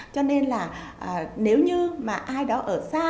cho nên là nếu như mà ai đó ở xa